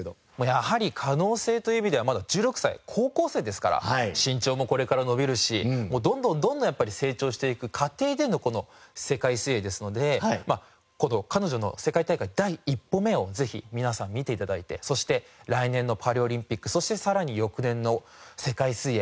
やはり可能性という意味ではまだ１６歳高校生ですから身長もこれから伸びるしどんどんどんどんやっぱり成長していく過程でのこの世界水泳ですので彼女の世界大会第一歩目をぜひ皆さん見て頂いてそして来年のパリオリンピックそしてさらに翌年の世界水泳。